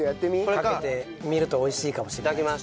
かけてみると美味しいかもしれないです。